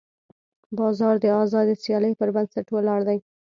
بازار د ازادې سیالۍ پر بنسټ ولاړ دی.